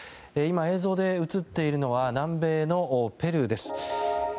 今、映像で映っているのは南米のペルーです。